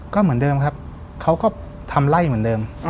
ก็เหมือนเดิมครับเขาก็ทำไล่เหมือนเดิม